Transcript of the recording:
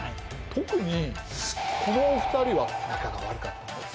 特にこのお二人は仲が悪かったんです。